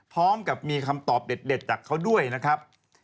พร้อมกับมีคำตอบเด็ดจากเขาด้วยนะครับ